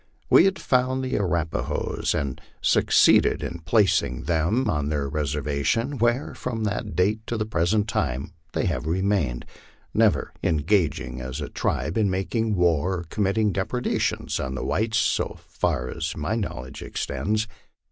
We had found the Arapahoes, and succeed ed in placing them on their reservation, where, from that date to the present time, they have remained, never engaging as a tribe in making war or com mitting depredations on the whites, so far as my knowledge extends.